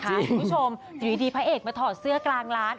คุณผู้ชมอยู่ดีพระเอกมาถอดเสื้อกลางร้าน